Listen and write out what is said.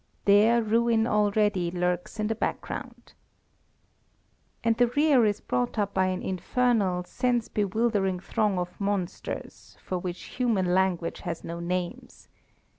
There ruin already lurks in the background. And the rear is brought up by an infernal, sense bewildering throng of monsters, for which human language has no names.